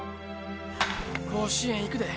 甲子園行くで。